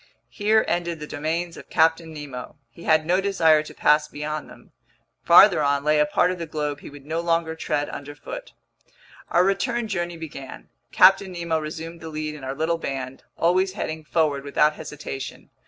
Here ended the domains of Captain Nemo. He had no desire to pass beyond them. Farther on lay a part of the globe he would no longer tread underfoot. Our return journey began. Captain Nemo resumed the lead in our little band, always heading forward without hesitation.